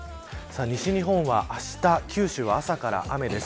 西日本はあした九州は朝から雨です。